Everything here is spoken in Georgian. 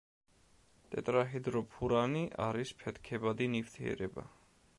ტეტრაჰიდროფურანი არის ფეთქებადი ნივთიერება.